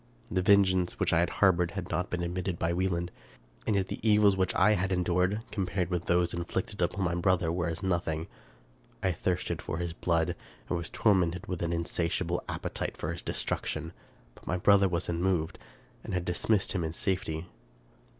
The vengeance which I had harbored had not been admitted by Wieland ; and yet the evils which I had endured, compared with those inflicted on my brother, were as nothing. I thirsted for his blood, and was tormented with an insatiable appetite for his destruction ; but my brother was unmoved, and had dismissed him in safety.